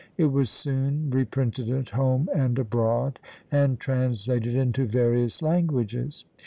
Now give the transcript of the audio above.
It was soon reprinted at home and abroad, and translated into various languages.